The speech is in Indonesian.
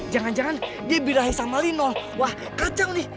jangan jangan dia birahi sama lino wah kacau nih